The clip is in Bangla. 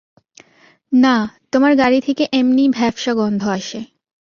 না, তোমার গাড়ি থেকে এমনিই ভ্যাপসা গন্ধ আসে।